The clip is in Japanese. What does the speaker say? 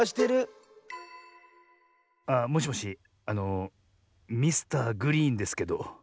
あもしもしあのミスターグリーンですけど。